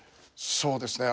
そうですね。